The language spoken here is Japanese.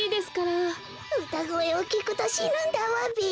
うたごえをきくとしぬんだわべ。